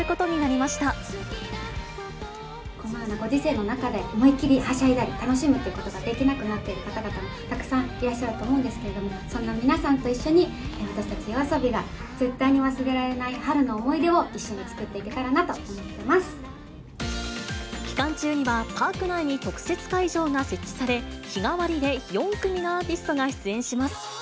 まこのようなご時世の中で、思いっ切りはしゃいだり、楽しむっていうことができなくなっている方々もたくさんいらっしゃると思うんですけれども、そんな皆さんと一緒に、私たちＹＯＡＳＯＢＩが、絶対に忘れられない春の思い出を一緒に作っていけたらなと思って期間中には、パーク内に特設会場が設置され、日替わりで４組のアーティストが出演します。